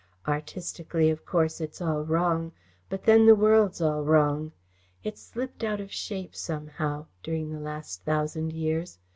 Artistically, of course, it's all wrong, but then the world's all wrong. It's slipped out of shape somehow, during the last thousand years.